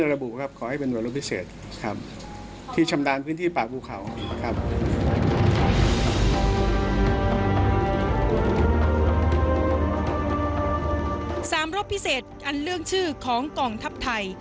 รบพิเศษอันเรื่องชื่อของกองทัพไทย